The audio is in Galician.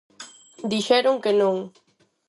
Dixeron que non.